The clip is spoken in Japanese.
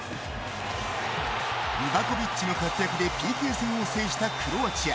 リヴァコヴィッチの活躍でＰＫ戦を制したクロアチア。